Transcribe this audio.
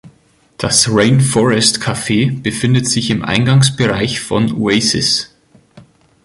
Das Rainforest Cafe befindet sich im Eingangsbereich von Oasis.